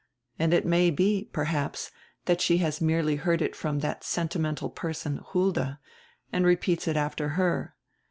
And it may be, perhaps, that she has merely heard it from that sentimental person, Hulda, and repeats it after her.